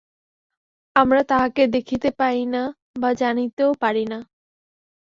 আমরা তাঁহাকে দেখিতে পাই না বা জানিতেও পারি না।